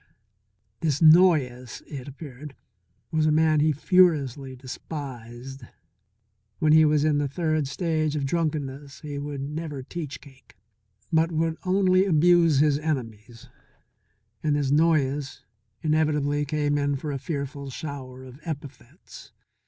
This Noyes, it appeared, was a man he furiously despised. When he was in the third stage of drunkenness he would never teach Cake, but would only abuse his enemies, and this Noyes invariably came in for a fearful shower of epithets.